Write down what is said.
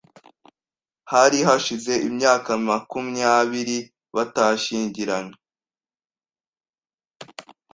Hari hashize imyaka makumyabiri batashyingiranywe.